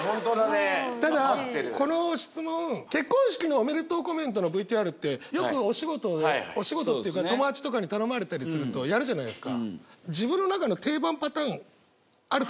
ただこの質問結婚式のおめでとうコメントのＶＴＲってよくお仕事お仕事っていうか友達とかに頼まれたりするとやるじゃないですか。